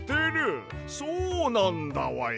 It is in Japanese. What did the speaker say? そうなんだわや！